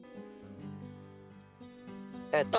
eh rumus nusantara